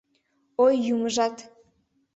Ой, Юмыжат!